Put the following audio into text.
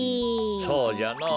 そうじゃのぉ。